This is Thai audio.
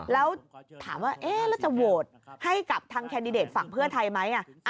แล้วถามว่าแล้วจะโหวตให้กับทางแคนดิเดตฝั่งเพื่อไทยไหม